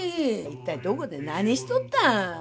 一体どこで何しとった？